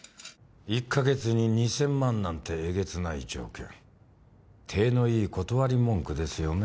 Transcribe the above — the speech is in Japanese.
１か月で２０００万なんてえげつない条件体のいい断り文句ですよね